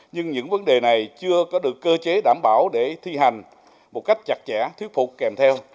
nhưng những vấn đề này chưa có được cơ chế đảm bảo để thi hành một cách chặt chẽ thuyết phục kèm theo